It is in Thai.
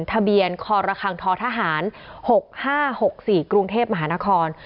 ทะเบียนครคังททหาร๖๕๖๔กรุงเทพมหานคร